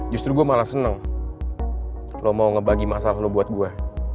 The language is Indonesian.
justru gue malah seneng lo mau ngebagi masalah lo buat gue